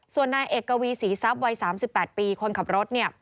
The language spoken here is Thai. ส่วนนายเอกวีศรีทรัพย์วัย๓๘ปีคนขับรถเนี่ย